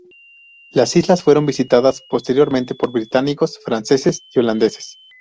Las islas fueron visitadas posteriormente por británicos, franceses y holandeses.